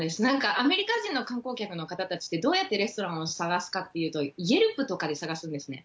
アメリカ人の観光客の方たちって、どうやってレストランを探すかっていうと、とかで探すんですね。